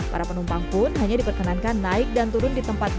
para penumpang pun hanya diperkenankan naik dan turun di tempat